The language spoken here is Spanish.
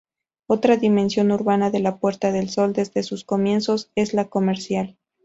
Otra dimensión urbana de la Puerta del Sol desde sus comienzos es la comercial.